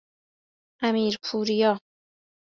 امیرپوریا